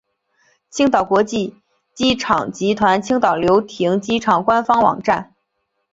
青岛国际机场集团青岛流亭机场官方网站